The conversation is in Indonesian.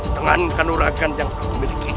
dengan kanuragan yang aku miliki ini